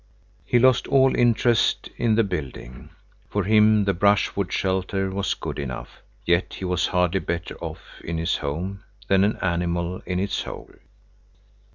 He lost all interest in the building. For him the brushwood shelter was good enough. Yet he was hardly better off in his home than an animal in its hole.